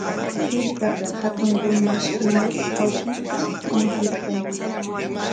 Hirkapik hatun rumi ishkimur awkishta ñitirqun.